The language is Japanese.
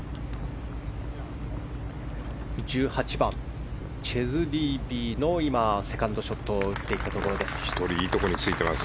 １８番チェズ・リービーのセカンドショットを打っていったところです。